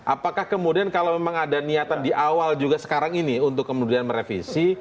apakah kemudian kalau memang ada niatan di awal juga sekarang ini untuk kemudian merevisi